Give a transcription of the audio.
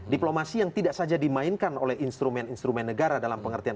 diplomasi yang tidak saja dimainkan oleh instrumen instrumen negara dalam pengertian